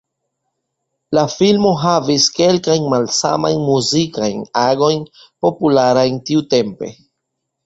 La filmo havis kelkajn malsamajn muzikajn agojn popularajn tiutempe.